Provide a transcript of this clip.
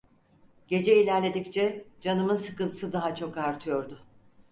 Gece ilerledikçe canımın sıkıntısı daha çok artıyordu.